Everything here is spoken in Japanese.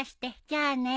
じゃあね。